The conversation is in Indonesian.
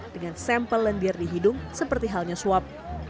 dengan sampel lendir di hidung seperti halnya swab